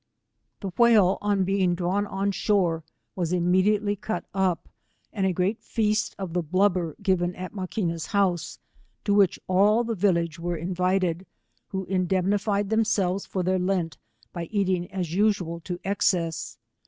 The whale on being drawn on shore, was imme diately cut up, and a great feast of the blubber given at Maquina's house, to which all the village were invited, who indemnified themselves for their lent, by eating as usual to excess.